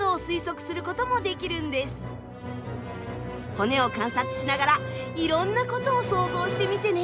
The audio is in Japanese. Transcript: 骨を観察しながらいろんなことを想像してみてね。